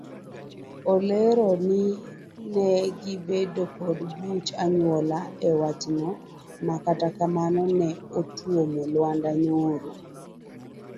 Olero ni ne gibedo kod buch anyuola ewachno makata kamano ne otuomo lwanda nyoro.